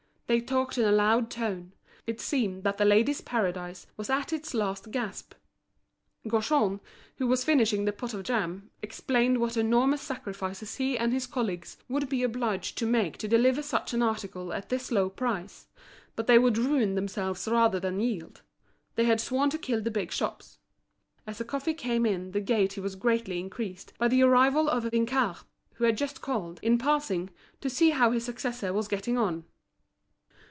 They talked in a loud tone; it seemed that The Ladies' Paradise was at its last gasp. Gaujean, who was finishing the pot of jam, explained what enormous sacrifices he and his colleagues would be obliged to make to deliver such an article at this low price; but they would ruin themselves rather than yield; they had sworn to kill the big shops. As the coffee came in the gaiety was greatly increased by the arrival of Vinçard, who had just called, in passing, to see how his successor was getting on.